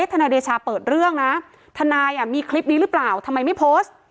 ทนายเดชาเปิดเรื่องนะทนายมีคลิปนี้หรือเปล่าทำไมไม่โพสต์